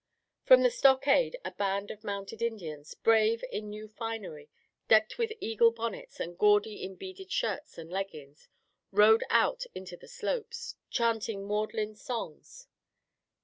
From the stockade a band of mounted Indians, brave in new finery, decked with eagle bonnets and gaudy in beaded shirts and leggings, rode out into the slopes, chanting maudlin songs.